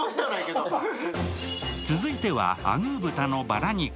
続いてはアグー豚のバラ肉。